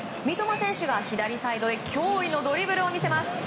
三笘選手が左サイドへ驚異のドリブルを見せます。